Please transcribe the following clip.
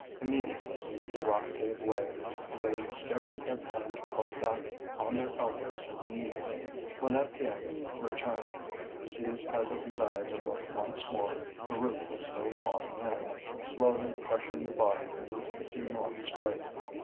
Immediately the rock gave way, and they scarcely had time to crawl back on their elbows and knees. When Étienne returned, seized by the desire to look once more, the roof was still falling in, slowly crushing the body beneath its enormous weight.